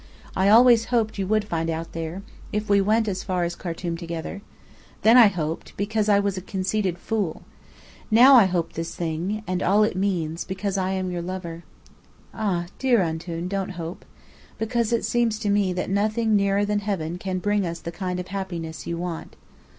I always hoped you would find out there if we went as far as Khartum together. Then I hoped, because I was a conceited fool. Now I hope this thing and all it means because I am your lover." "Ah, dear Antoun, don't hope. Because it seems to me that nothing nearer than Heaven can bring us the kind of happiness you want."